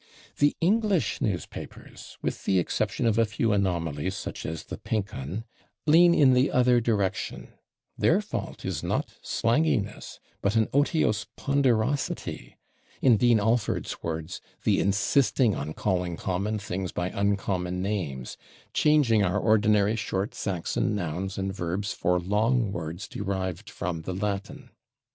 The English newspapers, with the exception of a few anomalies such as the /Pink Un/, lean in the other direction; their fault is not slanginess, but an otiose ponderosity in Dean Alford's words, "the insisting on calling common things by uncommon names; changing our ordinary short Saxon nouns and verbs for long words derived from the Latin."